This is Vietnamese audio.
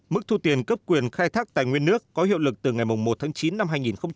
mức thu tiền cấp quyền khai thác tài nguyên nước có hiệu lực từ ngày một tháng chín năm hai nghìn hai mươi